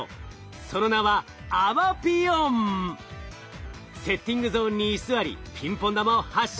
その名はセッティングゾーンに居座りピンポン玉を発射。